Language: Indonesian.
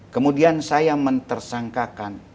kemudian saya menersangkakan